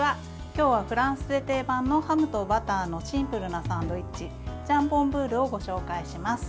今日はフランスで定番のハムとバターのシンプルなサンドイッチジャンボンブールをご紹介します。